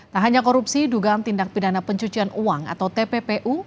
tak hanya korupsi dugaan tindak pidana pencucian uang atau tppu